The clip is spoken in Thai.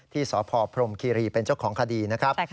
ที่สพพรมคีรีเป็นเจ้าของคดีนะครับ